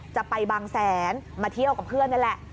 จะไปบางแสนมาเที่ยวกับเพื่อนนั่นแหละ